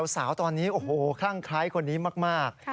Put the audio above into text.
สาวตอนนี้โอ้โหคลั่งคล้ายคนนี้มาก